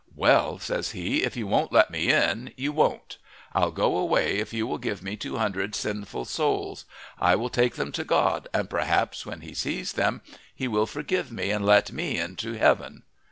"Well," says he, "if you won't let me in, you won't. I'll go away if you will give me two hundred sinful souls. I will take them to God, and perhaps, when he sees them, he will forgive me and let me into heaven."